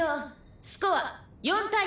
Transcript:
スコア４対５」